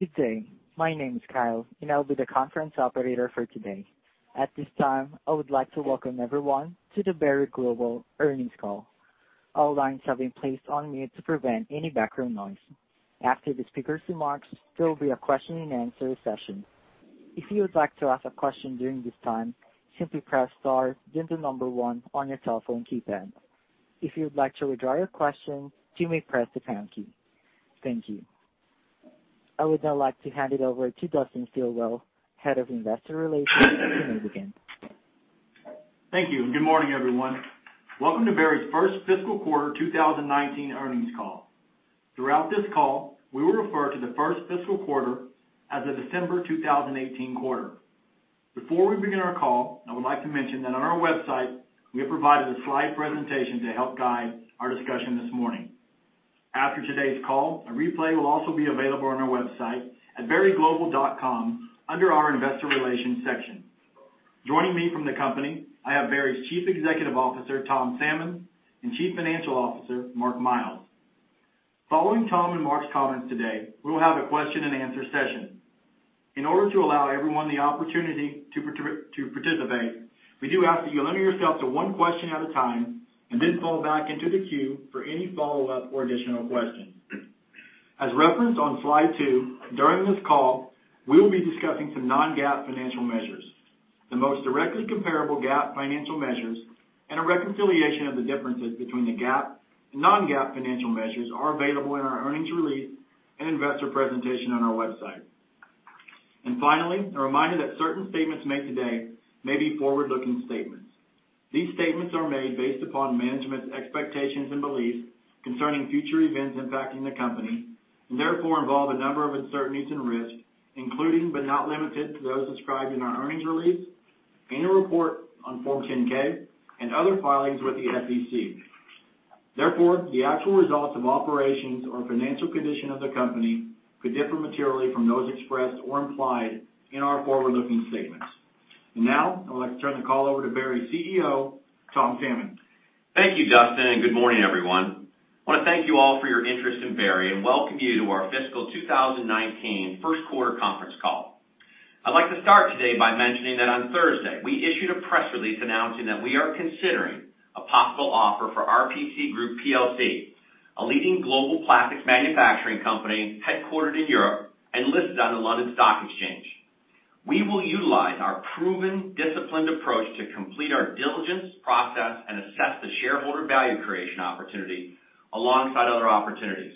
Good day. My name is Kyle, and I'll be the conference operator for today. At this time, I would like to welcome everyone to the Berry Global Earnings Call. All lines have been placed on mute to prevent any background noise. After the speakers' remarks, there will be a question-and-answer session. If you would like to ask a question during this time, simply press star then one on your telephone keypad. If you would like to withdraw your question, you may press the pound key. Thank you. I would now like to hand it over to Dustin Stilwell, Head of Investor Relations at Berry Global. Thank you. Good morning, everyone. Welcome to Berry's first fiscal quarter 2019 earnings call. Throughout this call, we will refer to the first fiscal quarter as the December 2018 quarter. Before we begin our call, I would like to mention that on our website, we have provided a slide presentation to help guide our discussion this morning. After today's call, a replay will also be available on our website at berryglobal.com under our investor relations section. Joining me from the company, I have Berry's Chief Executive Officer, Tom Salmon, and Chief Financial Officer, Mark Miles. Following Tom and Mark's comments today, we will have a question and answer session. In order to allow everyone the opportunity to participate, we do ask that you limit yourself to one question at a time and then call back into the queue for any follow-up or additional questions. As referenced on Slide two, during this call, we will be discussing some non-GAAP financial measures. The most directly comparable GAAP financial measures and a reconciliation of the differences between the GAAP and non-GAAP financial measures are available in our earnings release and investor presentation on our website. Finally, a reminder that certain statements made today may be forward-looking statements. These statements are made based upon management's expectations and beliefs concerning future events impacting the company, and therefore involve a number of uncertainties and risks, including but not limited to those described in our earnings release, annual report on Form 10-K and other filings with the SEC. Therefore, the actual results of operations or financial condition of the company could differ materially from those expressed or implied in our forward-looking statements. Now, I would like to turn the call over to Berry's CEO, Tom Salmon. Thank you, Dustin. Good morning, everyone. I want to thank you all for your interest in Berry and welcome you to our fiscal 2019 first quarter conference call. I'd like to start today by mentioning that on Thursday, we issued a press release announcing that we are considering a possible offer for RPC Group Plc, a leading global plastics manufacturing company headquartered in Europe and listed on the London Stock Exchange. We will utilize our proven, disciplined approach to complete our diligence, process, and assess the shareholder value creation opportunity alongside other opportunities.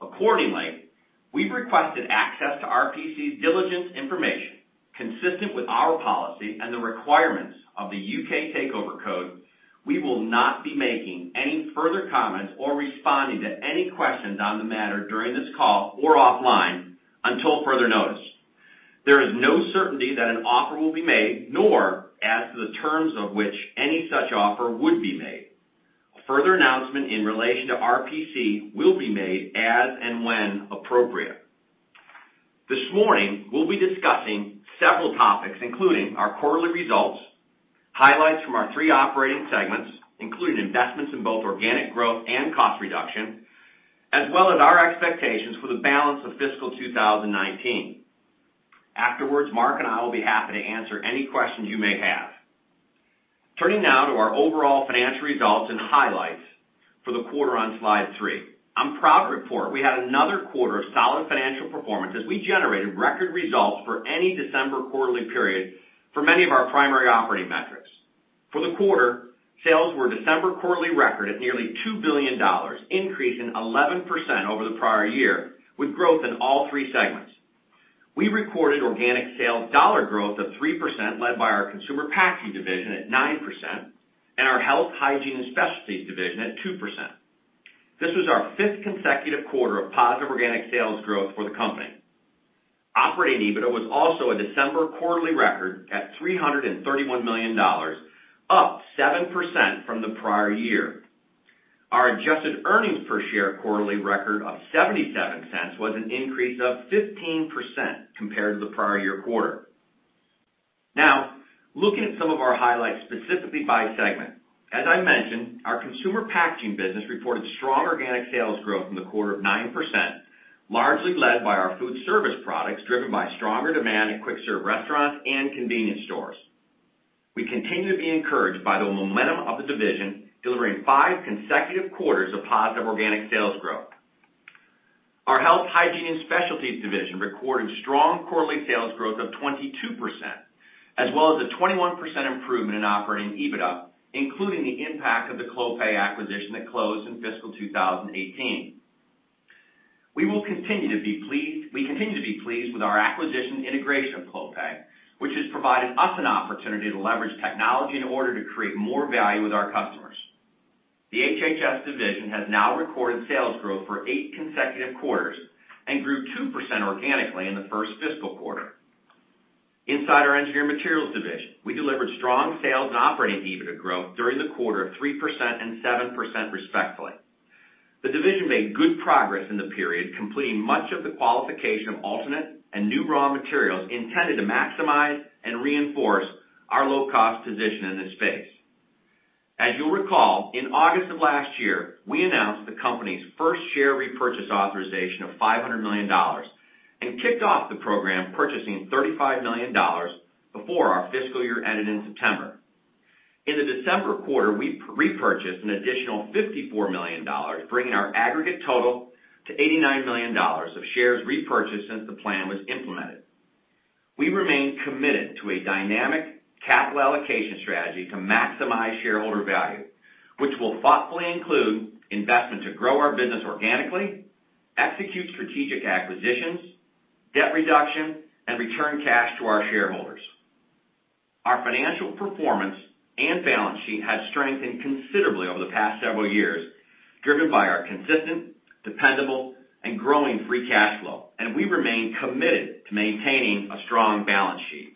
Accordingly, we've requested access to RPC's diligence information. Consistent with our policy and the requirements of the UK Takeover Code, we will not be making any further comments or responding to any questions on the matter during this call or offline until further notice. There is no certainty that an offer will be made, nor as to the terms of which any such offer would be made. A further announcement in relation to RPC Group Plc will be made as and when appropriate. This morning, we'll be discussing several topics, including our quarterly results, highlights from our three operating segments, including investments in both organic growth and cost reduction, as well as our expectations for the balance of fiscal 2019. Afterwards, Mark and I will be happy to answer any questions you may have. Turning now to our overall financial results and highlights for the quarter on Slide three. I'm proud to report we had another quarter of solid financial performance as we generated record results for any December quarterly period for many of our primary operating metrics. For the quarter, sales were a December quarterly record at nearly $2 billion, increasing 11% over the prior year, with growth in all three segments. We recorded organic sales dollar growth of 3% led by our Consumer Packaging division at 9% and our Health, Hygiene, and Specialties division at 2%. This was our fifth consecutive quarter of positive organic sales growth for the company. Operating EBITDA was also a December quarterly record at $331 million, up 7% from the prior year. Our adjusted earnings per share quarterly record of $0.77 was an increase of 15% compared to the prior year quarter. Looking at some of our highlights specifically by segment. As I mentioned, our Consumer Packaging business reported strong organic sales growth in the quarter of 9%, largely led by our food service products, driven by stronger demand in Quick Service Restaurants and convenience stores. We continue to be encouraged by the momentum of the division, delivering five consecutive quarters of positive organic sales growth. Our Health, Hygiene, and Specialties division recorded strong quarterly sales growth of 22%, as well as a 21% improvement in operating EBITDA, including the impact of the Clopay acquisition that closed in fiscal 2018. We continue to be pleased with our acquisition integration of Clopay, which has provided us an opportunity to leverage technology in order to create more value with our customers. The HHS division has now recorded sales growth for eight consecutive quarters and grew 2% organically in the first fiscal quarter. Inside our Engineered Materials division, we delivered strong sales and operating EBITDA growth during the quarter of 3% and 7% respectively. The division made good progress in the period, completing much of the qualification of alternate and new raw materials intended to maximize and reinforce our low-cost position in this space. As you'll recall, in August of last year, we announced the company's first share repurchase authorization of $500 million, and kicked off the program purchasing $35 million before our fiscal year ended in September. In the December quarter, we repurchased an additional $54 million, bringing our aggregate total to $89 million of shares repurchased since the plan was implemented. We remain committed to a dynamic capital allocation strategy to maximize shareholder value, which will thoughtfully include investments to grow our business organically, execute strategic acquisitions, debt reduction, and return cash to our shareholders. Our financial performance and balance sheet has strengthened considerably over the past several years, driven by our consistent, dependable, and growing free cash flow, and we remain committed to maintaining a strong balance sheet.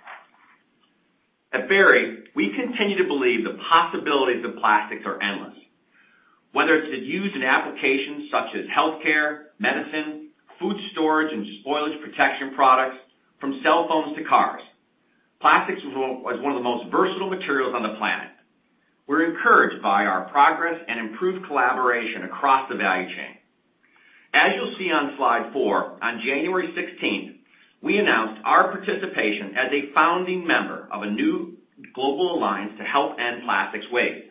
At Berry, we continue to believe the possibilities of plastics are endless. Whether it's the use in applications such as healthcare, medicine, food storage and spoilage protection products, from cell phones to cars, plastic is one of the most versatile materials on the planet. We're encouraged by our progress and improved collaboration across the value chain. As you'll see on Slide four, on January 16th, we announced our participation as a founding member of a new global Alliance to help end plastic waste.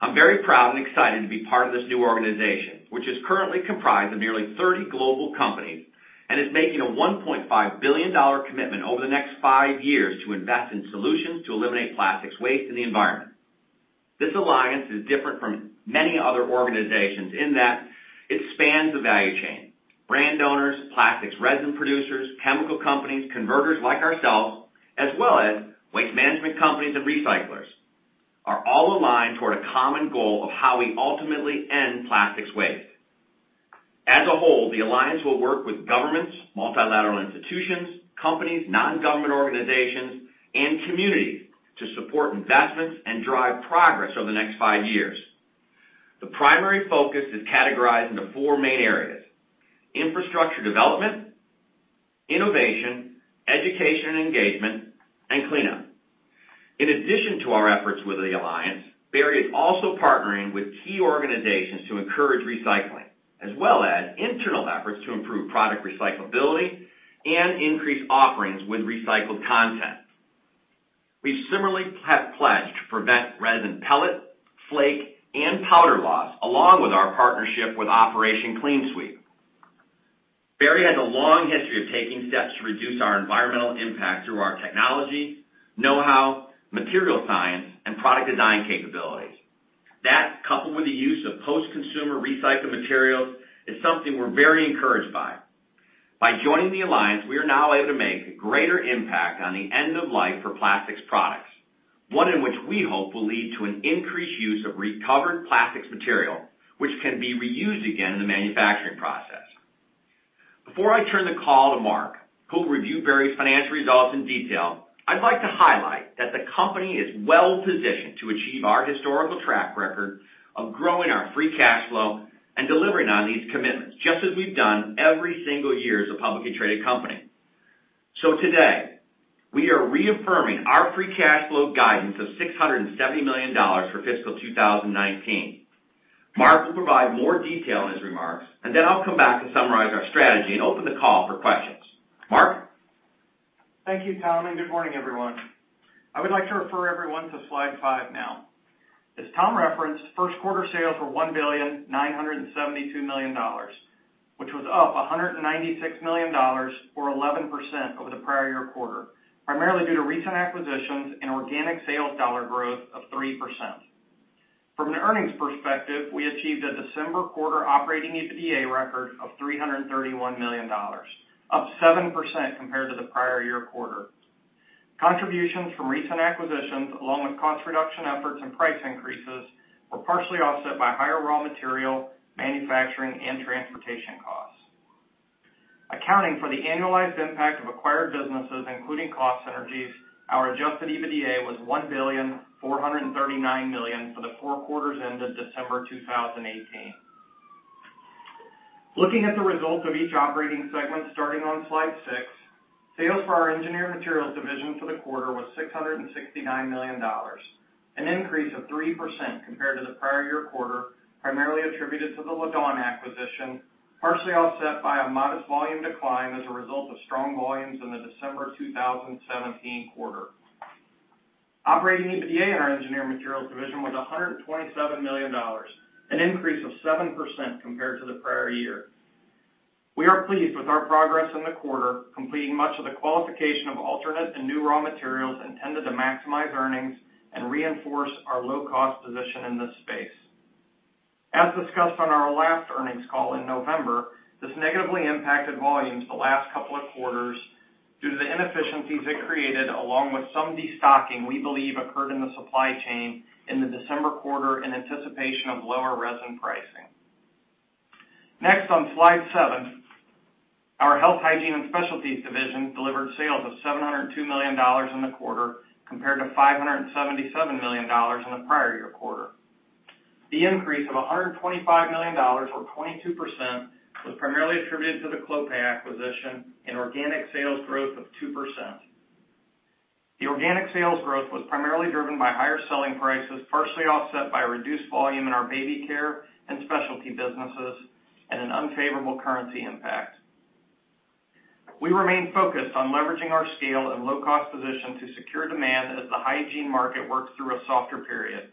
I'm very proud and excited to be part of this new organization, which is currently comprised of nearly 30 global companies, and is making a $1.5 billion commitment over the next five years to invest in solutions to eliminate plastic waste in the environment. This Alliance is different from many other organizations in that it spans the value chain. Brand owners, plastic resin producers, chemical companies, converters like ourselves, as well as waste management companies and recyclers, are all aligned toward a common goal of how we ultimately end plastic waste. As a whole, the Alliance will work with governments, multilateral institutions, companies, non-government organizations, and communities to support investments and drive progress over the next five years. The primary focus is categorized into four main areas: infrastructure development, innovation, education and engagement, and cleanup. In addition to our efforts with the Alliance, Berry is also partnering with key organizations to encourage recycling, as well as internal efforts to improve product recyclability and increase offerings with recycled content. We similarly have pledged to prevent resin pellet, flake, and powder loss, along with our partnership with Operation Clean Sweep. Berry has a long history of taking steps to reduce our environmental impact through our technology, know-how, material science, and product design capabilities. That, coupled with the use of post-consumer recycled materials, is something we're very encouraged by. By joining the Alliance, we are now able to make a greater impact on the end of life for plastic products, one in which we hope will lead to an increased use of recovered plastic material, which can be reused again in the manufacturing process. Before I turn the call to Mark, who will review Berry's financial results in detail, I'd like to highlight that the company is well positioned to achieve our historical track record of growing our free cash flow and delivering on these commitments, just as we've done every single year as a publicly traded company. Today, we are reaffirming our free cash flow guidance of $670 million for fiscal 2019. Mark will provide more detail in his remarks, and then I'll come back to summarize our strategy and open the call for questions. Mark? Thank you, Tom, and good morning, everyone. I would like to refer everyone to Slide five now. As Tom referenced, first quarter sales were $1,972,000,000, which was up $196 million, or 11%, over the prior year quarter, primarily due to recent acquisitions and organic sales dollar growth of 3%. From an earnings perspective, we achieved a December quarter operating EBITDA record of $331 million, up 7% compared to the prior year quarter. Contributions from recent acquisitions, along with cost reduction efforts and price increases, were partially offset by higher raw material, manufacturing, and transportation costs. Accounting for the annualized impact of acquired businesses, including cost synergies, our adjusted EBITDA was $1.439 billion for the four quarters ended December 2018. Looking at the results of each operating segment starting on Slide six, sales for our Engineered Materials division for the quarter was $669 million, an increase of 3% compared to the prior year quarter, primarily attributed to the Laddawn acquisition, partially offset by a modest volume decline as a result of strong volumes in the December 2017 quarter. Operating EBITDA in our Engineered Materials division was $127 million, an increase of 7% compared to the prior year. We are pleased with our progress in the quarter, completing much of the qualification of alternate and new raw materials intended to maximize earnings and reinforce our low-cost position in this space. As discussed on our last earnings call in November, this negatively impacted volumes the last couple of quarters due to the inefficiencies it created, along with some destocking we believe occurred in the supply chain in the December quarter in anticipation of lower resin pricing. On Slide seven, our Health, Hygiene, and Specialties division delivered sales of $702 million in the quarter compared to $577 million in the prior year quarter. The increase of $125 million, or 22%, was primarily attributed to the Clopay acquisition and organic sales growth of 2%. The organic sales growth was primarily driven by higher selling prices, partially offset by reduced volume in our baby care and specialty businesses, and an unfavorable currency impact. We remain focused on leveraging our scale and low-cost position to secure demand as the hygiene market works through a softer period.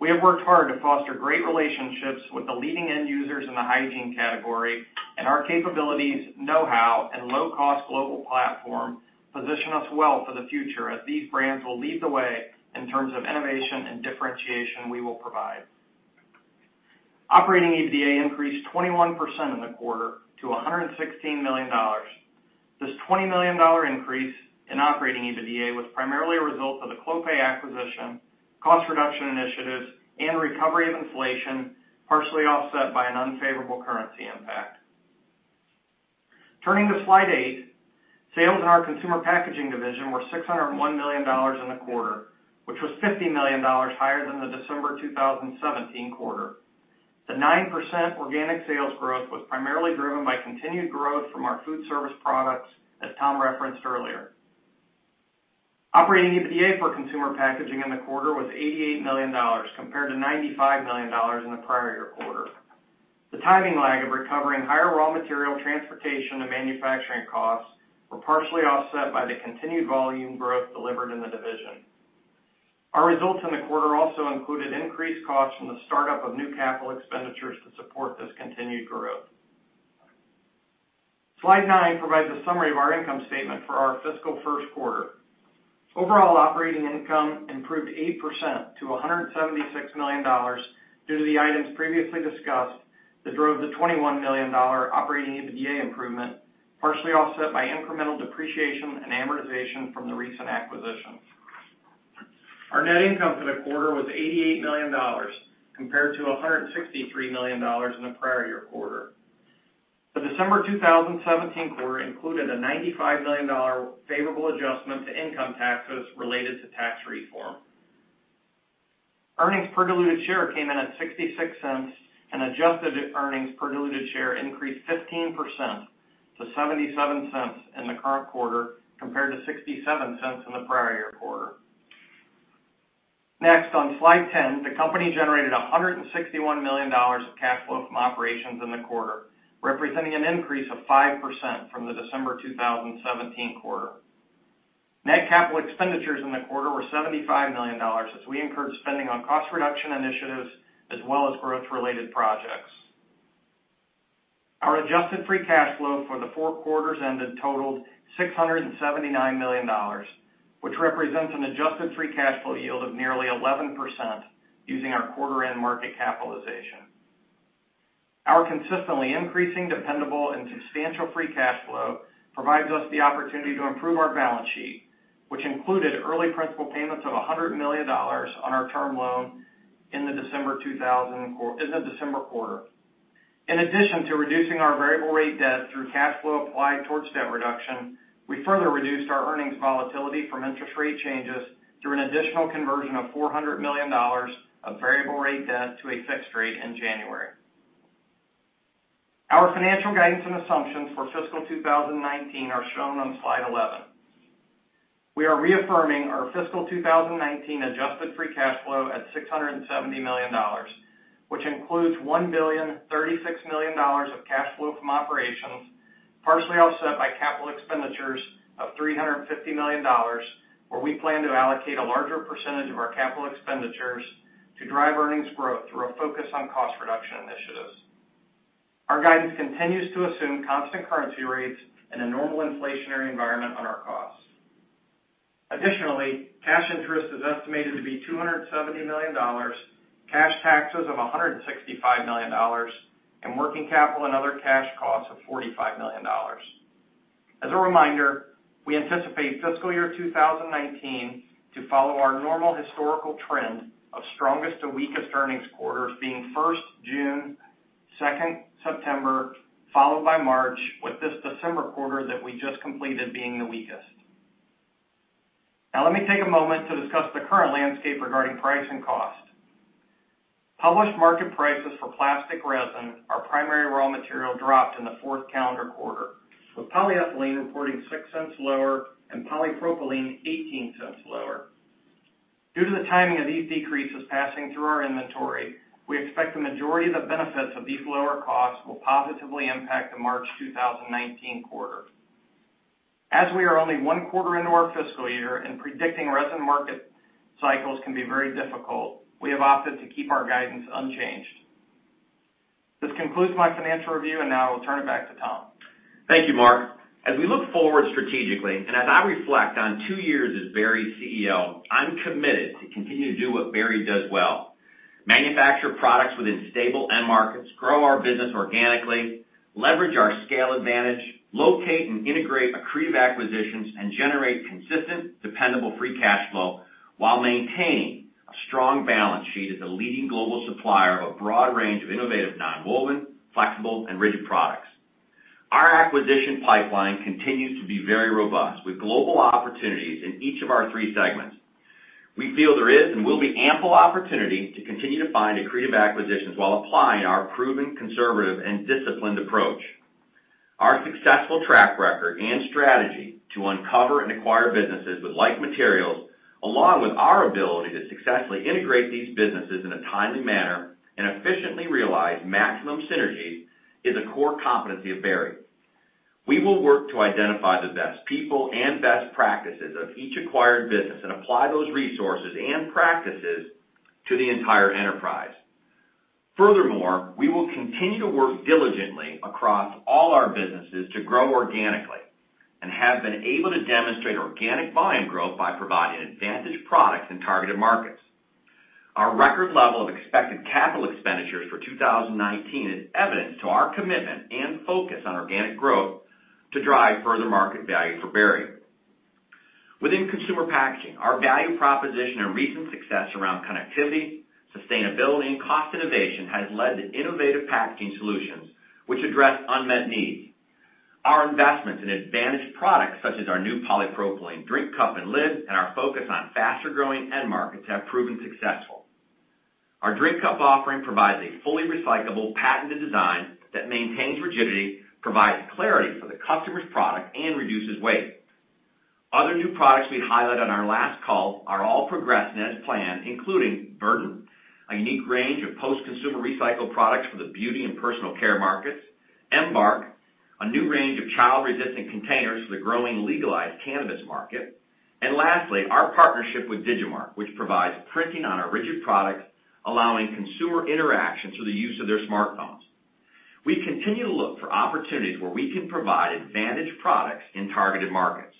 We have worked hard to foster great relationships with the leading end users in the hygiene category, our capabilities, know-how, and low-cost global platform position us well for the future, as these brands will lead the way in terms of innovation and differentiation we will provide. Operating EBITDA increased 21% in the quarter to $116 million. This $20 million increase in operating EBITDA was primarily a result of the Clopay acquisition, cost reduction initiatives, and recovery of inflation, partially offset by an unfavorable currency impact. Turning to Slide eight, sales in our Consumer Packaging division were $601 million in the quarter, which was $50 million higher than the December 2017 quarter. The 9% organic sales growth was primarily driven by continued growth from our food service products as Tom referenced earlier. Operating EBITDA for consumer packaging in the quarter was $88 million, compared to $95 million in the prior year quarter. The timing lag of recovering higher raw material transportation and manufacturing costs were partially offset by the continued volume growth delivered in the division. Our results in the quarter also included increased costs from the startup of new capital expenditures to support this continued growth. Slide nine provides a summary of our income statement for our fiscal first quarter. Overall operating income improved 8% to $176 million due to the items previously discussed that drove the $21 million operating EBITDA improvement, partially offset by incremental depreciation and amortization from the recent acquisitions. Our net income for the quarter was $88 million, compared to $163 million in the prior year quarter. The December 2017 quarter included a $95 million favorable adjustment to income taxes related to tax reform. Earnings per diluted share came in at $0.66, adjusted earnings per diluted share increased 15% to $0.77 in the current quarter, compared to $0.67 in the prior year quarter. Next, on Slide 10, the company generated $161 million of cash flow from operations in the quarter, representing an increase of 5% from the December 2017 quarter. Net capital expenditures in the quarter were $75 million, as we incurred spending on cost reduction initiatives as well as growth-related projects. Our adjusted free cash flow for the four quarters ended totaled $679 million, which represents an adjusted free cash flow yield of nearly 11%, using our quarter-end market capitalization. Our consistently increasing dependable and substantial free cash flow provides us the opportunity to improve our balance sheet, which included early principal payments of $100 million on our term loan in the December quarter. In addition to reducing our variable rate debt through cash flow applied towards debt reduction, we further reduced our earnings volatility from interest rate changes through an additional conversion of $400 million of variable rate debt to a fixed rate in January. Our financial guidance and assumptions for fiscal 2019 are shown on Slide 11. We are reaffirming our fiscal 2019 adjusted free cash flow at $670 million, which includes $1.036 billion of cash flow from operations, partially offset by capital expenditures of $350 million, where we plan to allocate a larger percentage of our capital expenditures to drive earnings growth through a focus on cost reduction initiatives. Our guidance continues to assume constant currency rates and a normal inflationary environment on our costs. Additionally, cash interest is estimated to be $270 million, cash taxes of $165 million, and working capital and other cash costs of $45 million. As a reminder, we anticipate fiscal year 2019 to follow our normal historical trend of strongest to weakest earnings quarters being first June, second September, followed by March, with this December quarter that we just completed being the weakest. Now let me take a moment to discuss the current landscape regarding price and cost. Published market prices for plastic resin, our primary raw material, dropped in the fourth calendar quarter, with polyethylene reporting $0.06 lower and polypropylene $0.18 lower. Due to the timing of these decreases passing through our inventory, we expect the majority of the benefits of these lower costs will positively impact the March 2019 quarter. As we are only one quarter into our fiscal year and predicting resin market cycles can be very difficult, we have opted to keep our guidance unchanged. This concludes my financial review, now I will turn it back to Tom. Thank you, Mark. As we look forward strategically, as I reflect on two years as Berry's CEO, I'm committed to continue to do what Berry does well: manufacture products within stable end markets, grow our business organically, leverage our scale advantage, locate and integrate accretive acquisitions, and generate consistent, dependable free cash flow while maintaining a strong balance sheet as a leading global supplier of a broad range of innovative nonwoven, flexible, and rigid products. Our acquisition pipeline continues to be very robust, with global opportunities in each of our three segments. We feel there is and will be ample opportunity to continue to find accretive acquisitions while applying our proven conservative and disciplined approach. Our successful track record and strategy to uncover and acquire businesses with light materials, along with our ability to successfully integrate these businesses in a timely manner and efficiently realize maximum synergies, is a core competency of Berry. We will work to identify the best people and best practices of each acquired business and apply those resources and practices to the entire enterprise. We will continue to work diligently across all our businesses to grow organically and have been able to demonstrate organic volume growth by providing advantaged products in targeted markets. Our record level of expected capital expenditures for 2019 is evident to our commitment and focus on organic growth to drive further market value for Berry. Within consumer packaging, our value proposition and recent success around connectivity, sustainability, and cost innovation has led to innovative packaging solutions, which address unmet needs. Our investments in advantaged products, such as our new polypropylene drink cup and lid, and our focus on faster-growing end markets, have proven successful. Our drink cup offering provides a fully recyclable, patented design that maintains rigidity, provides clarity for the customer's product, and reduces weight. Other new products we highlighted on our last call are all progressing as planned, including Verdant, a unique range of post-consumer recycled products for the beauty and personal care markets, Embark, a new range of child-resistant containers for the growing legalized cannabis market, lastly, our partnership with Digimarc, which provides printing on our rigid products, allowing consumer interaction through the use of their smartphones. We continue to look for opportunities where we can provide advantaged products in targeted markets.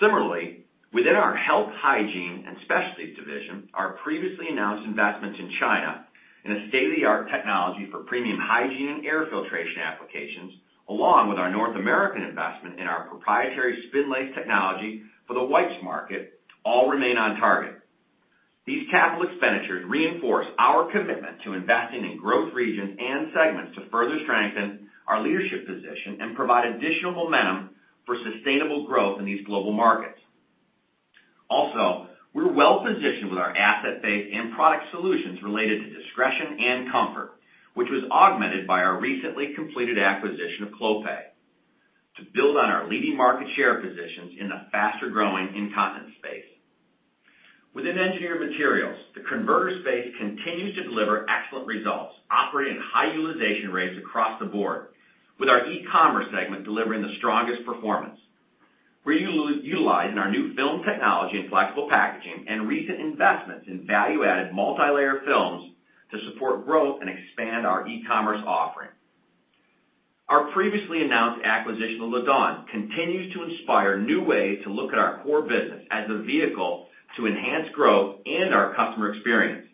Similarly, within our Health, Hygiene, and Specialties division, our previously announced investments in China in a state-of-the-art technology for premium hygiene and air filtration applications, along with our North American investment in our proprietary Spinlace technology for the wipes market, all remain on target. These capital expenditures reinforce our commitment to investing in growth regions and segments to further strengthen our leadership position and provide additional momentum for sustainable growth in these global markets. We're well-positioned with our asset base and product solutions related to discretion and comfort, which was augmented by our recently completed acquisition of Clopay to build on our leading market share positions in the faster-growing incontinence space. Within engineered materials, the converter space continues to deliver excellent results, operating at high utilization rates across the board, with our e-commerce segment delivering the strongest performance. We're utilizing our new film technology in flexible packaging and recent investments in value-added multilayer films to support growth and expand our e-commerce offering. Our previously announced acquisition of Laddawn continues to inspire new ways to look at our core business as a vehicle to enhance growth and our customer experience.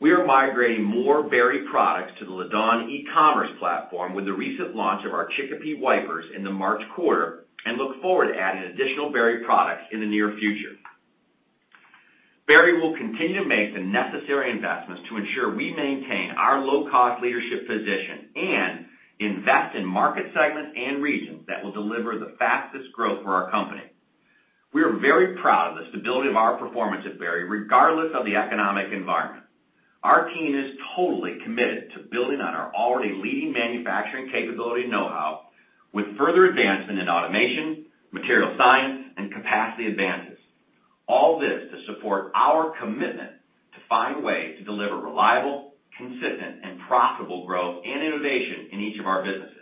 We are migrating more Berry products to the Laddawn e-commerce platform with the recent launch of our Chicopee wipers in the March quarter and look forward to adding additional Berry products in the near future. Berry will continue to make the necessary investments to ensure we maintain our low-cost leadership position and invest in market segments and regions that will deliver the fastest growth for our company. We are very proud of the stability of our performance at Berry, regardless of the economic environment. Our team is totally committed to building on our already leading manufacturing capability know-how with further advancement in automation, material science, and capacity advances. All this to support our commitment to find ways to deliver reliable, consistent, and profitable growth and innovation in each of our businesses.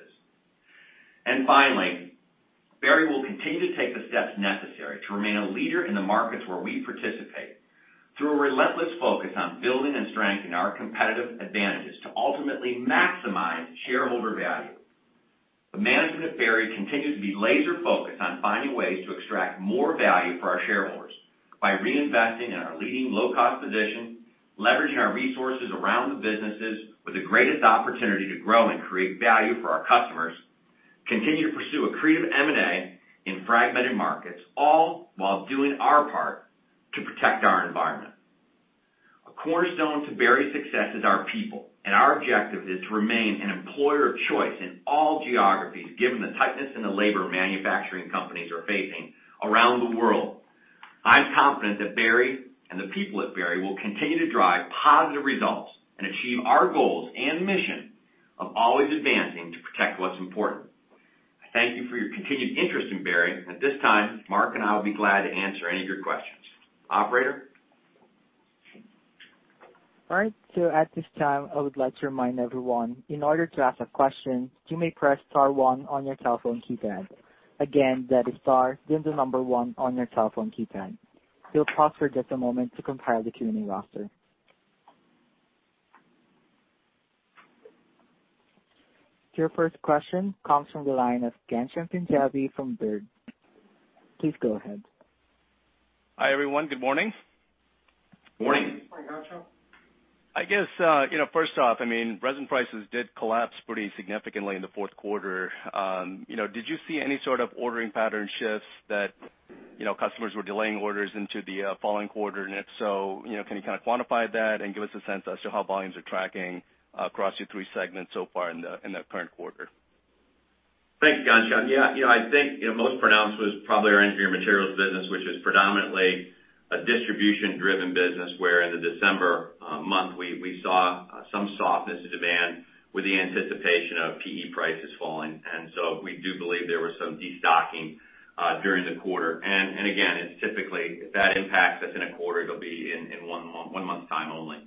Finally, Berry will continue to take the steps necessary to remain a leader in the markets where we participate through a relentless focus on building and strengthening our competitive advantages to ultimately maximize shareholder value. The management of Berry continues to be laser-focused on finding ways to extract more value for our shareholders by reinvesting in our leading low-cost position, leveraging our resources around the businesses with the greatest opportunity to grow and create value for our customers, continue to pursue accretive M&A in fragmented markets, all while doing our part to protect our environment. A cornerstone to Berry's success is our people. Our objective is to remain an employer of choice in all geographies, given the tightness in the labor manufacturing companies are facing around the world. I'm confident that Berry and the people at Berry will continue to drive positive results and achieve our goals and mission of always advancing to protect what's important. I thank you for your continued interest in Berry. At this time, Mark and I will be glad to answer any of your questions. Operator? All right, at this time, I would like to remind everyone, in order to ask a question, you may press star one on your telephone keypad. Again, that is star, then the number one on your telephone keypad. We'll pause for just a moment to compile the Q&A roster. Your first question comes from the line of Ghansham Panjabi from Baird. Please go ahead. Hi, everyone. Good morning. Morning. Morning, Ghansham. I guess first off, resin prices did collapse pretty significantly in the fourth quarter. Did you see any sort of ordering pattern shifts that customers were delaying orders into the following quarter? If so, can you kind of quantify that and give us a sense as to how volumes are tracking across your three segments so far in the current quarter? Thanks, Ghansham. I think most pronounced was probably our engineered materials business, which is predominantly a distribution-driven business, where in the December month, we saw some softness in demand with the anticipation of PE prices falling. We do believe there was some destocking during the quarter. Again, it's typically, if that impacts us in a quarter, it'll be in one month's time only.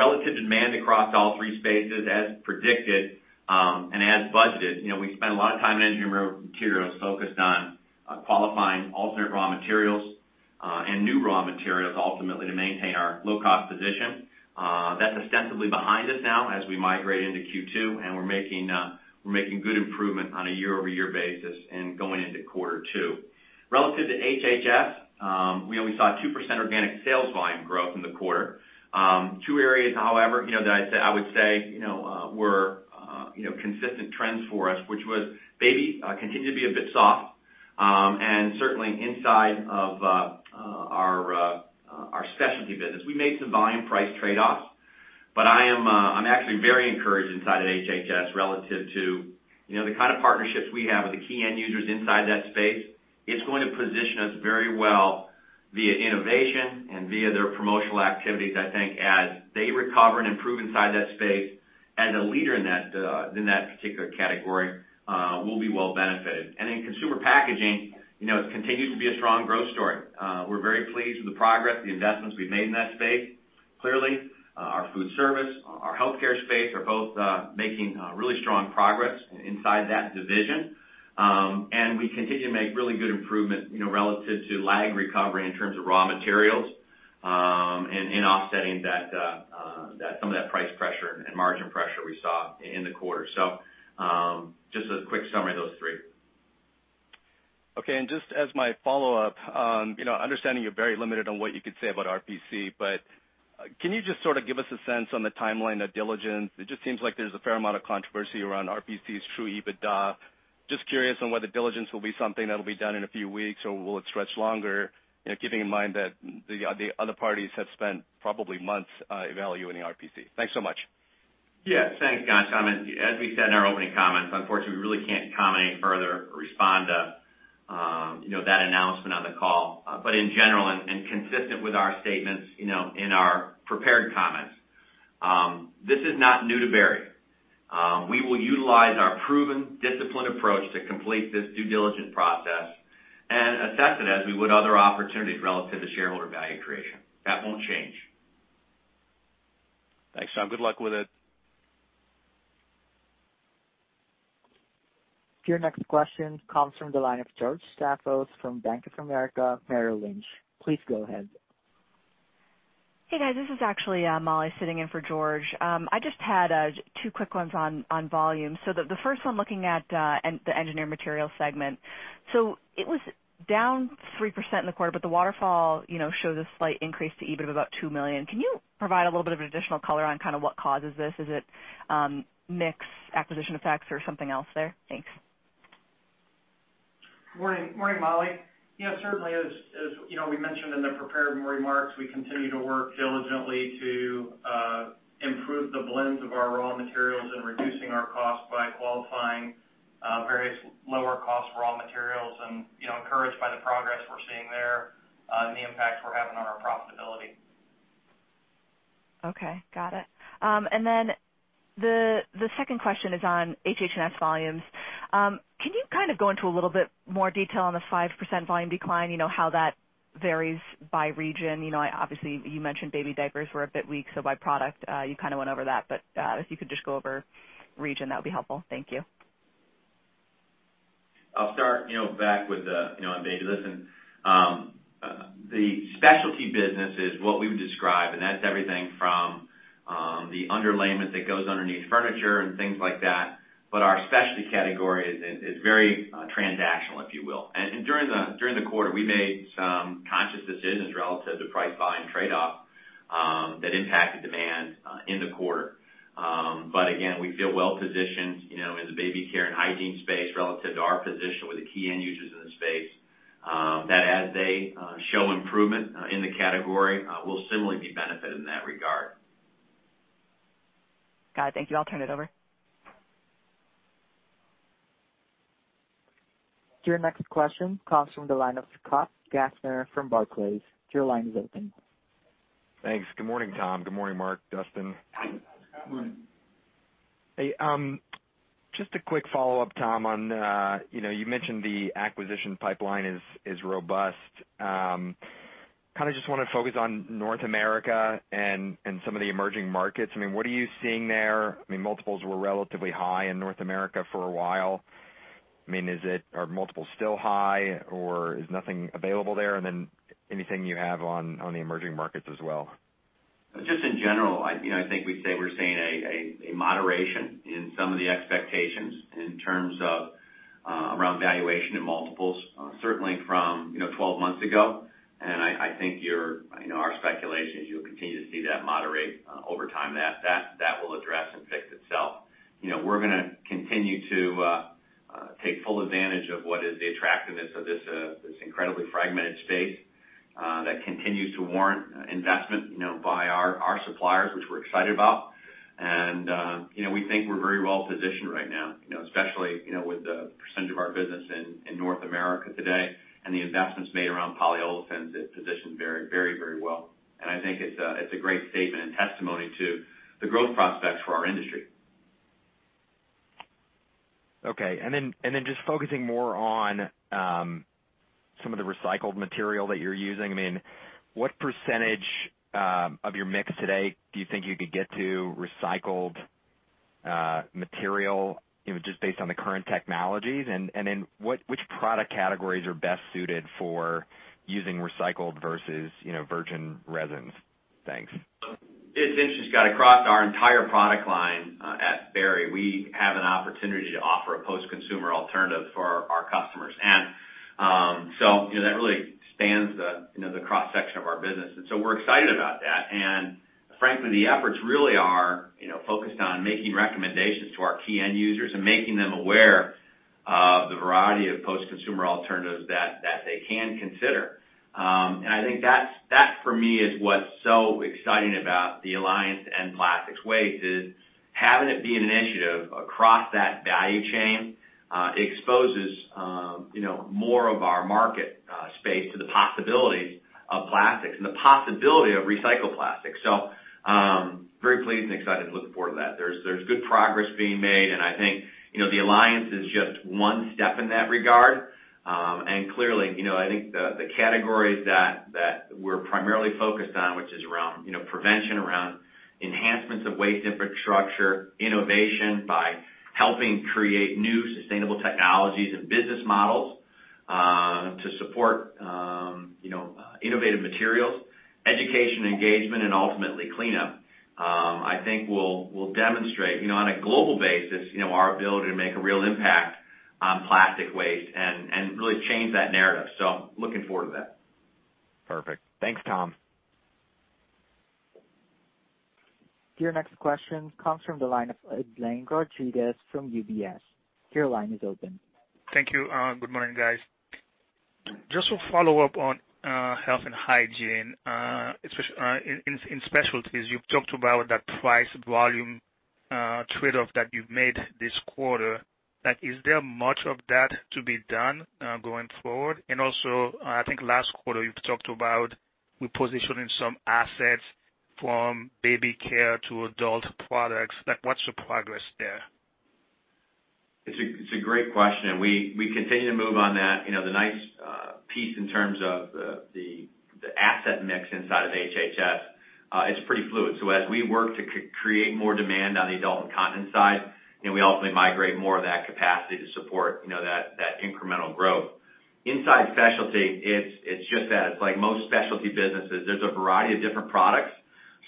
Relative demand across all three spaces, as predicted, and as budgeted, we spent a lot of time in engineered materials focused on qualifying alternate raw materials, and new raw materials ultimately to maintain our low-cost position. That's ostensibly behind us now as we migrate into Q2, and we're making good improvement on a year-over-year basis and going into quarter two. Relative to HHS, we only saw 2% organic sales volume growth in the quarter. Two areas, however, that I would say were consistent trends for us, which was baby continued to be a bit soft and certainly inside of our specialty business. We made some volume price trade-offs, but I'm actually very encouraged inside of HHS relative to the kind of partnerships we have with the key end users inside that space. It's going to position us very well via innovation and via their promotional activities. I think as they recover and improve inside that space, as a leader in that particular category, we'll be well benefited. In consumer packaging, it continues to be a strong growth story. We're very pleased with the progress, the investments we've made in that space. Clearly, our food service, our healthcare space are both making really strong progress inside that division. We continue to make really good improvement relative to lag recovery in terms of raw materials, and offsetting some of that price pressure and margin pressure we saw in the quarter. Just a quick summary of those three. Just as my follow-up, understanding you're very limited on what you could say about RPC, can you just sort of give us a sense on the timeline of diligence? It just seems like there's a fair amount of controversy around RPC's true EBITDA. Just curious on whether diligence will be something that'll be done in a few weeks, or will it stretch longer, keeping in mind that the other parties have spent probably months evaluating RPC. Thanks so much. Thanks, Ghansham. As we said in our opening comments, unfortunately, we really can't comment any further or respond to that announcement on the call. In general, and consistent with our statements in our prepared comments, this is not new to Berry. We will utilize our proven disciplined approach to complete this due diligence process and assess it as we would other opportunities relative to shareholder value creation. That won't change. Thanks, Tom. Good luck with it. Your next question comes from the line of George Staphos from Bank of America Merrill Lynch. Please go ahead. Hey, guys, this is actually Molly sitting in for George. I just had two quick ones on volume. The first one looking at the Engineered Material segment. It was down 3% in the quarter, the waterfall shows a slight increase to EBIT of about $2 million. Can you provide a little bit of additional color on what causes this? Is it mix acquisition effects or something else there? Thanks. Morning, Molly. Certainly as we mentioned in the prepared remarks, we continue to work diligently to improve the blends of our raw materials and reducing our cost by qualifying various lower cost raw materials, and encouraged by the progress we're seeing there, and the impact we're having on our profitability. Okay. Got it. The second question is on HH&S volumes. Can you kind of go into a little bit more detail on the 5% volume decline, how that varies by region? Obviously, you mentioned baby diapers were a bit weak, so by product, you kind of went over that, but if you could just go over region, that would be helpful. Thank you. I'll start back with the babies. Listen, the specialty business is what we would describe, and that's everything from the underlayment that goes underneath furniture and things like that, but our specialty category is very transactional, if you will. During the quarter, we made some conscious decisions relative to price volume trade-off that impacted demand in the quarter. Again, we feel well positioned in the baby care and hygiene space relative to our position with the key end users in the space. That as they show improvement in the category, we'll similarly be benefited in that regard. Got it. Thank you. I'll turn it over. Your next question comes from the line of Scott Gaffner from Barclays. Your line is open. Thanks. Good morning, Tom. Good morning, Mark, Dustin. Morning. Hey, just a quick follow-up, Tom, on you mentioned the acquisition pipeline is robust. Kind of just want to focus on North America and some of the emerging markets. What are you seeing there? I mean, multiples were relatively high in North America for a while. Are multiples still high or is nothing available there? Then anything you have on the emerging markets as well? Just in general, I think we'd say we're seeing a moderation in some of the expectations in terms of around valuation and multiples, certainly from 12 months ago. I think our speculation is you'll continue to see that moderate over time. That will address and fix itself. We're gonna continue to take full advantage of what is the attractiveness of this incredibly fragmented space. That continues to warrant investment by our suppliers, which we're excited about. We think we're very well positioned right now, especially with the percentage of our business in North America today and the investments made around polyolefins, it's positioned very well. I think it's a great statement and testimony to the growth prospects for our industry. Okay. Just focusing more on some of the recycled material that you're using. What percentage of your mix today do you think you could get to recycled material, just based on the current technologies? Which product categories are best suited for using recycled versus virgin resins? Thanks. It's interesting, Scott. Across our entire product line at Berry, we have an opportunity to offer a post-consumer alternative for our customers. That really spans the cross-section of our business. We're excited about that. Frankly, the efforts really are focused on making recommendations to our key end users and making them aware of the variety of post-consumer alternatives that they can consider. I think that for me is what's so exciting about the Alliance to End Plastic Waste is, having it be an initiative across that value chain, exposes more of our market space to the possibilities of plastics and the possibility of recycled plastic. Very pleased and excited and look forward to that. There's good progress being made, and I think the Alliance is just one step in that regard. Clearly, I think the categories that we're primarily focused on, which is around prevention, around enhancements of waste infrastructure, innovation by helping create new sustainable technologies and business models to support innovative materials, education engagement, and ultimately cleanup, I think will demonstrate on a global basis our ability to make a real impact on plastic waste and really change that narrative. Looking forward to that. Perfect. Thanks, Tom. Your next question comes from the line of Blaine Gargadès from UBS. Your line is open. Thank you. Good morning, guys. Just to follow up on Health and Hygiene, in Specialties, you've talked about that price volume trade-off that you've made this quarter. Is there much of that to be done going forward? Also, I think last quarter you talked about repositioning some assets from baby care to adult products. What's the progress there? It's a great question. We continue to move on that. The nice piece in terms of the asset mix inside of HHS is pretty fluid. As we work to create more demand on the adult and continent side, we ultimately migrate more of that capacity to support that incremental growth. Inside Specialty, it's just that. It's like most Specialty businesses. There's a variety of different products.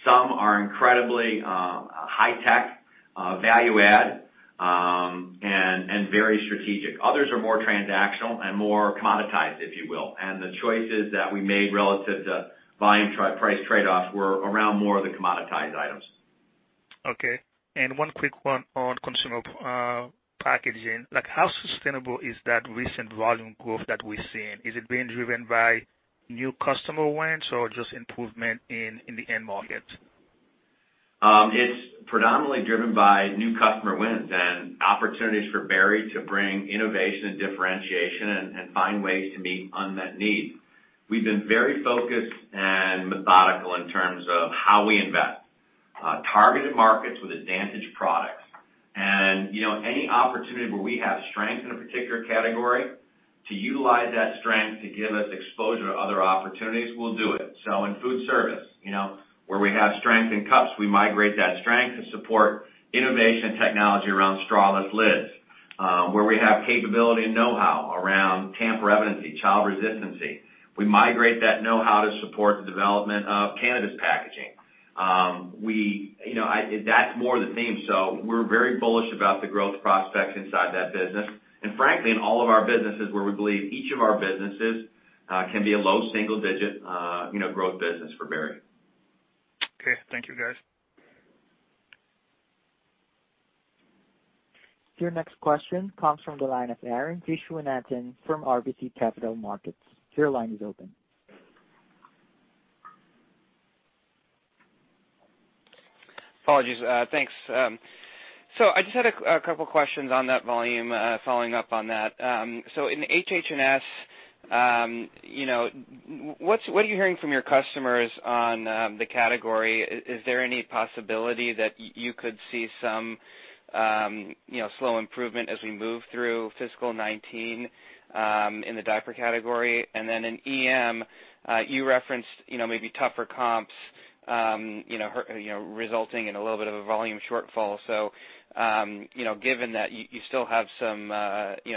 Some are incredibly high tech, value add, and very strategic. Others are more transactional and more commoditized, if you will. The choices that we made relative to volume price trade-offs were around more of the commoditized items. Okay. One quick one on consumer packaging. How sustainable is that recent volume growth that we're seeing? Is it being driven by new customer wins or just improvement in the end market? It's predominantly driven by new customer wins and opportunities for Berry to bring innovation and differentiation and find ways to meet unmet needs. We've been very focused and methodical in terms of how we invest. Targeted markets with advantage products. Any opportunity where we have strength in a particular category to utilize that strength to give us exposure to other opportunities, we'll do it. In food service, where we have strength in cups, we migrate that strength to support innovation and technology around strawless lids. Where we have capability and know-how around tamper evidency, child resistancy, we migrate that know-how to support the development of cannabis packaging. That's more the theme. We're very bullish about the growth prospects inside that business. Frankly, in all of our businesses where we believe each of our businesses can be a low single-digit growth business for Berry. Okay. Thank you, guys. Your next question comes from the line of Arun Viswanathan from RBC Capital Markets. Your line is open. Apologies. Thanks. I just had a couple questions on that volume, following up on that. In HH&S, what are you hearing from your customers on the category? Is there any possibility that you could see some slow improvement as we move through fiscal 2019 in the diaper category? In EM, you referenced maybe tougher comps resulting in a little bit of a volume shortfall. Given that you still have some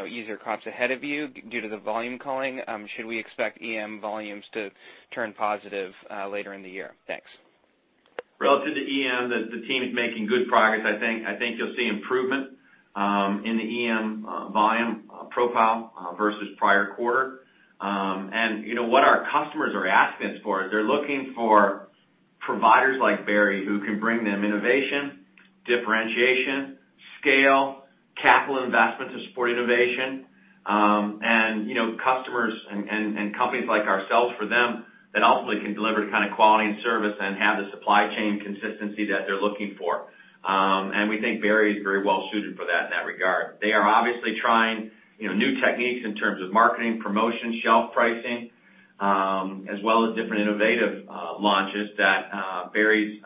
easier comps ahead of you due to the volume calling, should we expect EM volumes to turn positive later in the year? Thanks. Relative to EM, the team is making good progress. I think you'll see improvement in the EM volume profile versus prior quarter. What our customers are asking us for is they're looking for providers like Berry who can bring them innovation Differentiation, scale, capital investments to support innovation, and customers and companies like ourselves for them that ultimately can deliver the kind of quality and service and have the supply chain consistency that they're looking for. We think Berry is very well-suited for that in that regard. They are obviously trying new techniques in terms of marketing, promotion, shelf pricing, as well as different innovative launches that Berry's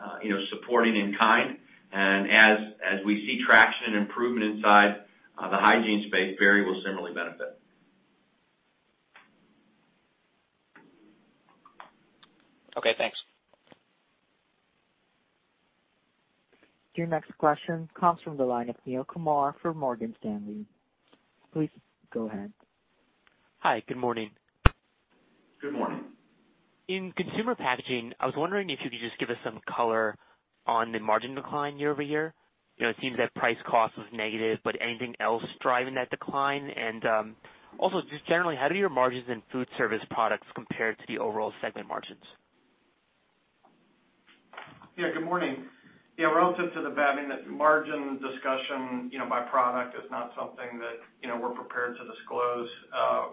supporting in kind. As we see traction and improvement inside the hygiene space, Berry will similarly benefit. Okay, thanks. Your next question comes from the line of Neel Kumar from Morgan Stanley. Please go ahead. Hi. Good morning. Good morning. In consumer packaging, I was wondering if you could just give us some color on the margin decline year-over-year. It seems that price cost was negative, but anything else driving that decline? Also, just generally, how do your margins in foodservice products compare to the overall segment margins? Good morning. Relative to the batting, the margin discussion, by product is not something that we're prepared to disclose.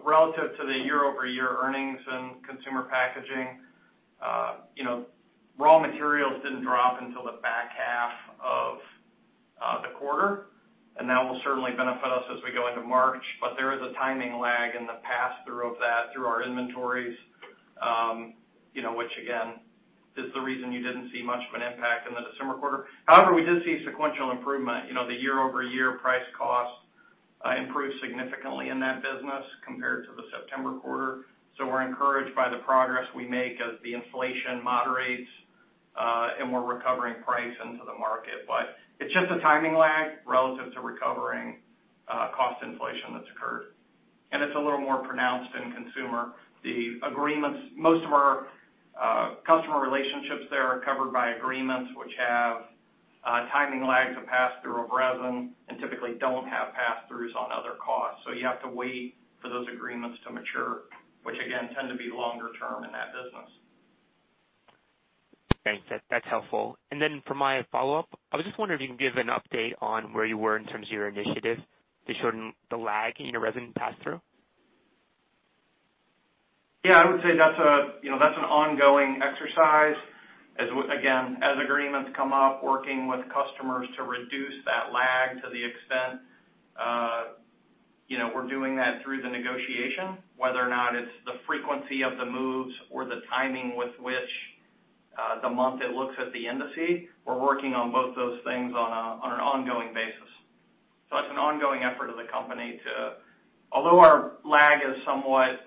Relative to the year-over-year earnings in consumer packaging, raw materials didn't drop until the back half of the quarter. That will certainly benefit us as we go into March. There is a timing lag in the pass-through of that through our inventories, which again, is the reason you didn't see much of an impact in the December quarter. However, we did see sequential improvement. The year-over-year price cost improved significantly in that business compared to the September quarter. We're encouraged by the progress we make as the inflation moderates, and we're recovering price into the market. It's just a timing lag relative to recovering cost inflation that's occurred, and it's a little more pronounced in consumer. Most of our customer relationships there are covered by agreements which have timing lags of pass-through of resin and typically do not have pass-throughs on other costs. You have to wait for those agreements to mature, which again, tend to be longer term in that business. Thanks. That's helpful. For my follow-up, I was just wondering if you can give an update on where you were in terms of your initiative to shorten the lag in your resin pass-through. Yeah, I would say that's an ongoing exercise. Again, as agreements come up, working with customers to reduce that lag to the extent, we're doing that through the negotiation, whether or not it's the frequency of the moves or the timing with which the month it looks at the indices. We're working on both those things on an ongoing basis. That's an ongoing effort of the company. Although our lag is somewhat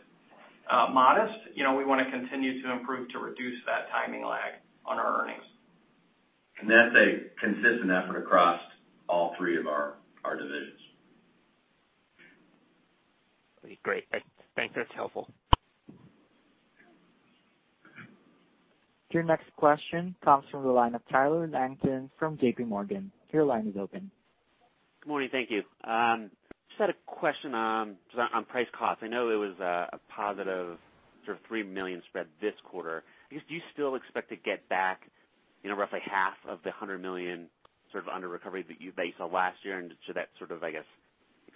modest, we want to continue to improve to reduce that timing lag on our earnings. That's a consistent effort across all three of our divisions. Great. Thanks. That's helpful. Your next question comes from the line of Tyler Langton from JPMorgan. Your line is open. Good morning. Thank you. Just had a question on price cost. I know it was a positive $3 million spread this quarter. I guess, do you still expect to get back roughly half of the $100 million sort of under-recovery that you based on last year, and so that sort of, I guess,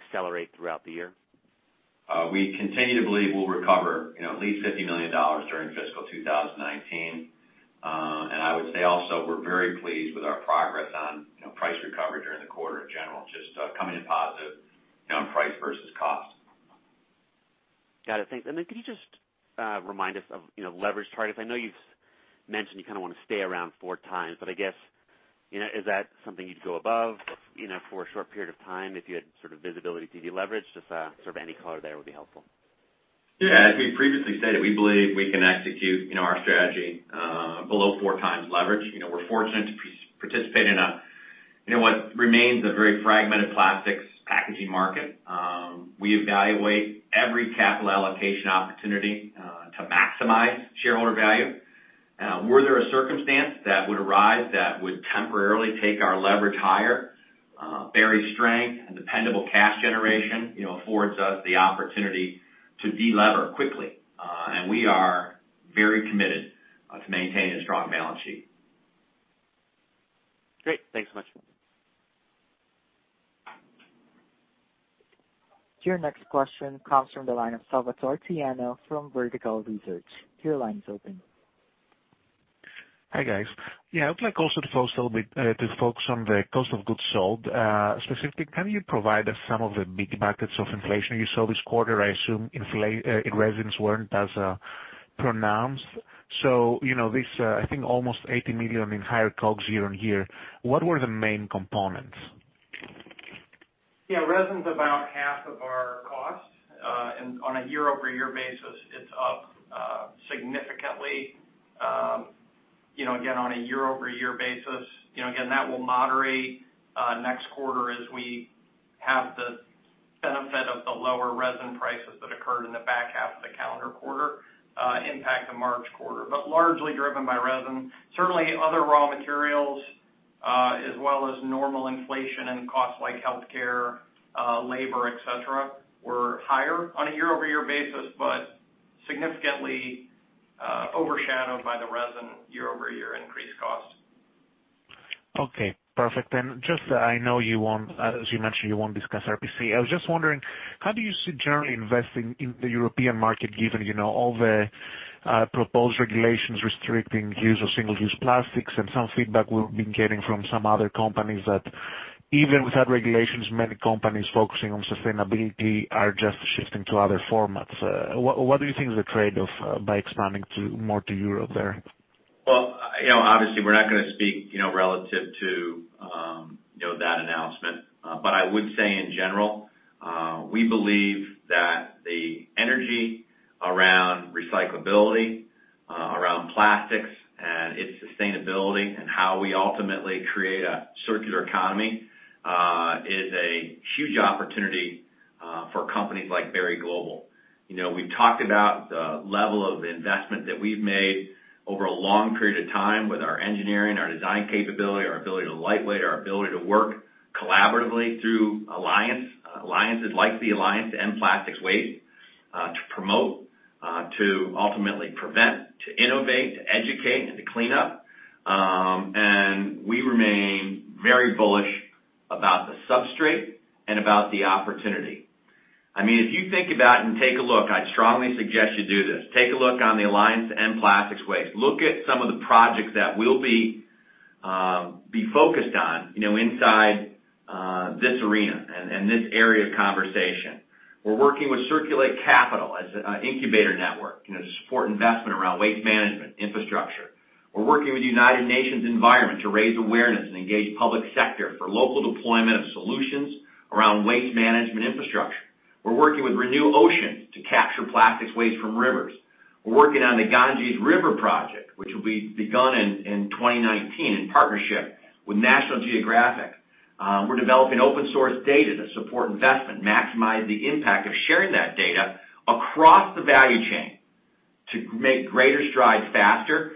accelerate throughout the year? We continue to believe we'll recover at least $50 million during fiscal 2019. I would say also, we're very pleased with our progress on price recovery during the quarter in general, just coming in positive on price versus cost. Got it. Thanks. Could you just remind us of leverage targets? I know you've mentioned you kind of want to stay around 4x, but I guess, is that something you'd go above, for a short period of time if you had sort of visibility to de-leverage? Just sort of any color there would be helpful. Yeah. As we previously stated, we believe we can execute our strategy below 4x leverage. We're fortunate to participate in what remains a very fragmented plastics packaging market. We evaluate every capital allocation opportunity to maximize shareholder value. Were there a circumstance that would arise that would temporarily take our leverage higher, Berry's strength and dependable cash generation affords us the opportunity to de-lever quickly. We are very committed to maintaining a strong balance sheet. Great. Thanks so much. Your next question comes from the line of Salvator Tiano from Vertical Research. Your line is open. Hi, guys. I'd like also to focus on the cost of goods sold. Specifically, can you provide some of the big buckets of inflation you saw this quarter? I assume in resins weren't as pronounced. This, I think almost $80 million in higher COGS year-over-year. What were the main components? Resin's about half of our cost. On a year-over-year basis, it's up significantly. Again, on a year-over-year basis, again, that will moderate next quarter as we have the benefit of the lower resin prices that occurred in the back half of the calendar quarter impact the March quarter. Largely driven by resin. Certainly other raw materials, as well as normal inflation and costs like healthcare, labor, et cetera, were higher on a year-over-year basis, but significantly overshadowed by the resin year-over-year increase cost. Okay, perfect. Just, I know you won't, as you mentioned, you won't discuss RPC. I was just wondering, how do you see generally investing in the European market, given all the proposed regulations restricting use of single-use plastics and some feedback we've been getting from some other companies that even without regulations, many companies focusing on sustainability are just shifting to other formats. What do you think is the trade-off by expanding more to Europe there? Obviously we're not going to speak relative to that announcement. I would say in general, we believe that the energy around recyclability, around plastics and its sustainability and how we ultimately create a circular economy, is a huge opportunity for companies like Berry Global. We talked about the level of investment that we've made over a long period of time with our engineering, our design capability, our ability to lightweight, our ability to work collaboratively through alliance. Alliances like the Alliance to End Plastic Waste, to promote, to ultimately prevent, to innovate, to educate, and to clean up. We remain very bullish about the substrate and about the opportunity. If you think about and take a look, I'd strongly suggest you do this, take a look on the Alliance to End Plastic Waste. Look at some of the projects that we'll be focused on inside this arena and this area of conversation. We're working with Circulate Capital as an incubator network to support investment around waste management infrastructure. We're working with United Nations Environment to raise awareness and engage public sector for local deployment of solutions around waste management infrastructure. We're working with Renew Oceans to capture plastics waste from rivers. We're working on the Ganges River project, which will be begun in 2019 in partnership with National Geographic. We're developing open source data to support investment, maximize the impact of sharing that data across the value chain to make greater strides faster.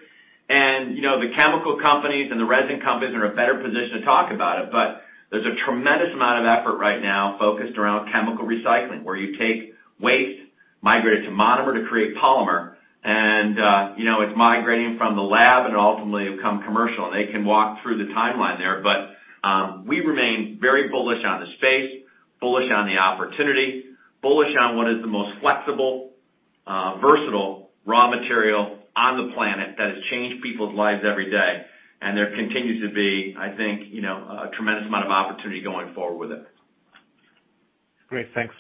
The chemical companies and the resin companies are in a better position to talk about it. There's a tremendous amount of effort right now focused around chemical recycling, where you take waste, migrate it to monomer to create polymer, and it's migrating from the lab and ultimately become commercial. They can walk through the timeline there. We remain very bullish on the space, bullish on the opportunity, bullish on what is the most flexible, versatile raw material on the planet that has changed people's lives every day. There continues to be, I think, a tremendous amount of opportunity going forward with it. Great. Thanks.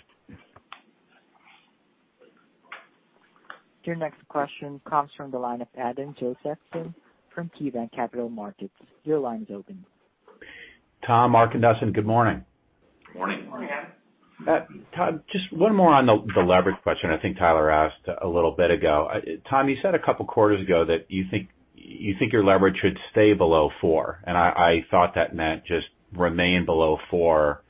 Your next question comes from the line of Adam Josephson from KeyBanc Capital Markets. Your line is open. Tom, Mark. Good morning. Morning. Morning, Adam. Tom, just one more on the leverage question I think Tyler asked a little bit ago. Tom, you said a couple of quarters ago that you think your leverage should stay below four, and I thought that meant just remain below four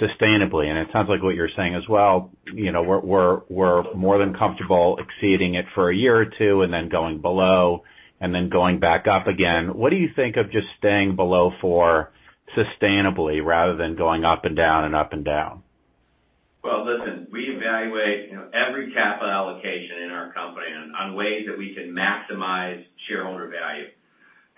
sustainably. It sounds like what you're saying as well, we're more than comfortable exceeding it for a year or two and then going below and then going back up again. What do you think of just staying below four sustainably rather than going up and down and up and down? Well, listen, we evaluate every capital allocation in our company on ways that we can maximize shareholder value.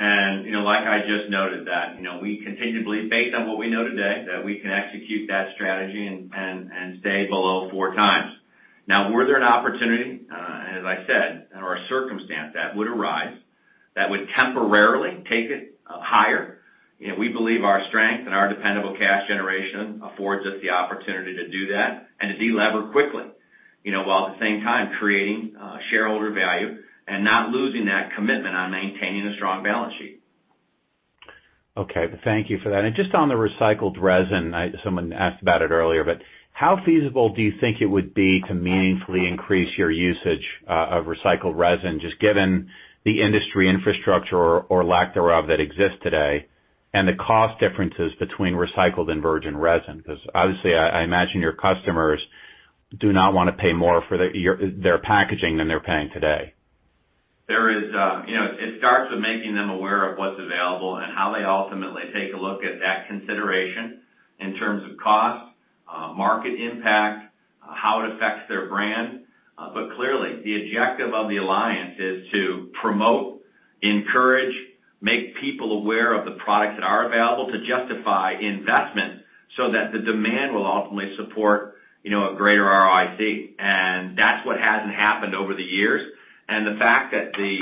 Like I just noted that we continue to believe based on what we know today, that we can execute that strategy and stay below four times. Were there an opportunity, as I said, or a circumstance that would arise that would temporarily take it higher, we believe our strength and our dependable cash generation affords us the opportunity to do that and to delever quickly, while at the same time creating shareholder value and not losing that commitment on maintaining a strong balance sheet. Okay. Thank you for that. Just on the recycled resin, someone asked about it earlier, how feasible do you think it would be to meaningfully increase your usage of recycled resin, just given the industry infrastructure or lack thereof that exists today, and the cost differences between recycled and virgin resin? Obviously I imagine your customers do not want to pay more for their packaging than they're paying today. It starts with making them aware of what's available and how they ultimately take a look at that consideration in terms of cost, market impact, how it affects their brand. Clearly the objective of the alliance is to promote, encourage, make people aware of the products that are available to justify investment so that the demand will ultimately support a greater ROIC. That's what hasn't happened over the years. The fact that the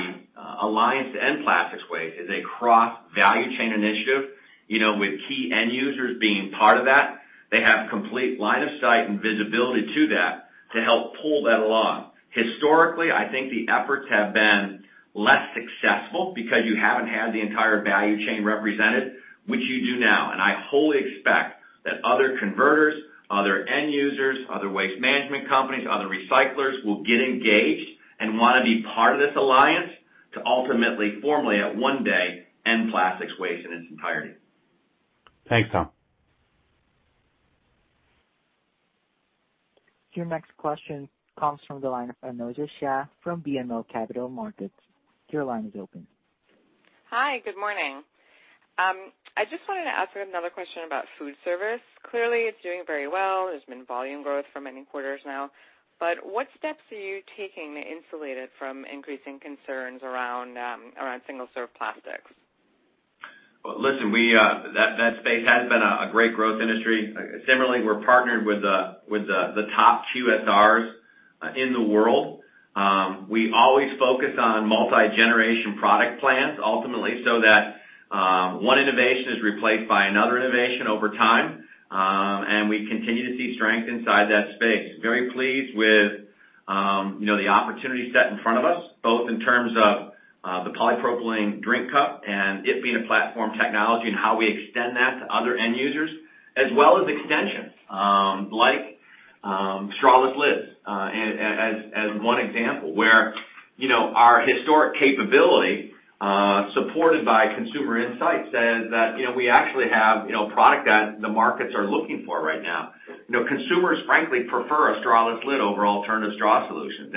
Alliance to End Plastic Waste is a cross-value chain initiative, with key end users being part of that. They have complete line of sight and visibility to that to help pull that along. Historically, I think the efforts have been less successful because you haven't had the entire value chain represented, which you do now. I wholly expect that other converters, other end users, other waste management companies, other recyclers will get engaged and want to be part of this alliance to ultimately formally at one day end plastic waste in its entirety. Thanks, Tom. Your next question comes from the line of Anojja Shah from BMO Capital Markets. Your line is open. Hi, good morning. I just wanted to ask another question about food service. Clearly, it's doing very well. There's been volume growth for many quarters now, but what steps are you taking to insulate it from increasing concerns around single-serve plastics? Well, listen, that space has been a great growth industry. Similarly, we're partnered with the top two QSRs in the world. We always focus on multi-generation product plans ultimately, so that one innovation is replaced by another innovation over time. We continue to see strength inside that space. Very pleased with the opportunity set in front of us, both in terms of the polypropylene drink cup and it being a platform technology, and how we extend that to other end users. As well as extensions like strawless lids, as one example, where our historic capability, supported by consumer insights, says that we actually have product that the markets are looking for right now. Consumers frankly prefer a strawless lid over alternative straw solutions.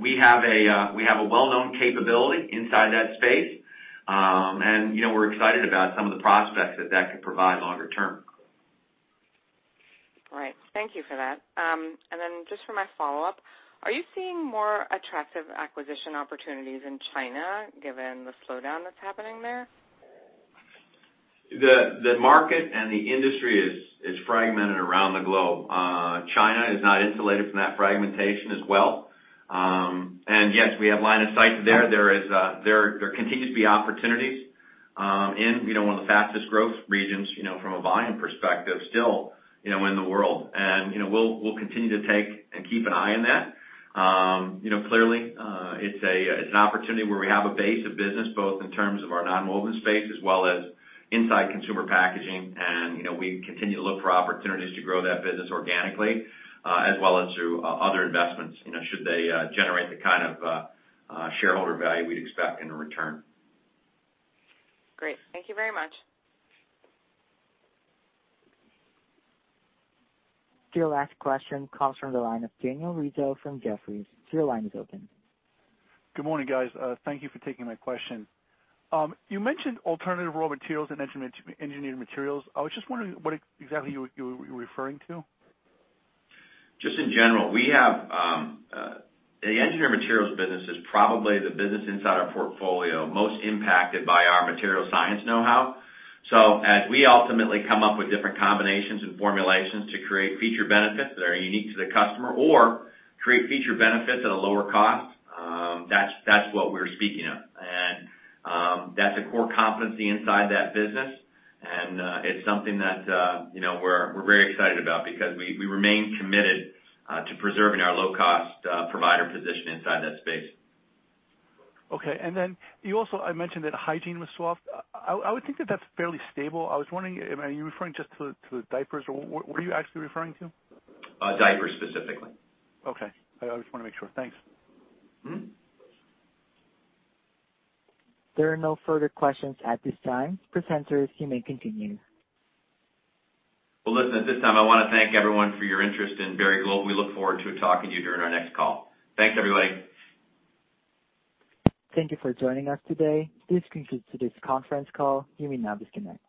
We have a well-known capability inside that space. We're excited about some of the prospects that that could provide longer term. All right. Thank you for that. Then just for my follow-up, are you seeing more attractive acquisition opportunities in China given the slowdown that's happening there? The market and the industry is fragmented around the globe. China is not insulated from that fragmentation as well. Yes, we have line of sight there. There continue to be opportunities in one of the fastest growth regions from a volume perspective still in the world. We'll continue to take and keep an eye on that. Clearly, it's an opportunity where we have a base of business, both in terms of our nonwoven space as well as inside consumer packaging. We continue to look for opportunities to grow that business organically, as well as through other investments, should they generate the kind of shareholder value we'd expect in return. Great. Thank you very much. Your last question comes from the line of Daniel Rizzo from Jefferies. Your line is open. Good morning, guys. Thank you for taking my question. You mentioned alternative raw materials and engineered materials. I was just wondering what exactly you were referring to. Just in general. The engineered materials business is probably the business inside our portfolio most impacted by our material science knowhow. As we ultimately come up with different combinations and formulations to create feature benefits that are unique to the customer or create feature benefits at a lower cost, that's what we're speaking of. That's a core competency inside that business, and it's something that we're very excited about because we remain committed to preserving our low-cost provider position inside that space. Okay. You also mentioned that hygiene was soft. I would think that that's fairly stable. I was wondering, are you referring just to the diapers, or what are you actually referring to? Diapers specifically. Okay. I just want to make sure. Thanks. There are no further questions at this time. Presenters, you may continue. Well, listen, at this time, I want to thank everyone for your interest in Berry Global. We look forward to talking to you during our next call. Thanks, everybody. Thank you for joining us today. This concludes today's conference call. You may now disconnect.